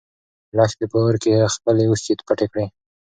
لښتې په اور کې خپلې اوښکې پټې کړې.